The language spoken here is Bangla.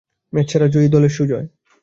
ম্যাচসেরা জয়ী দলের সুজয়।